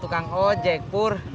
tukang ojek pur